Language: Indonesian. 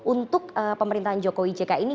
untuk pemerintahan jokowi jk ini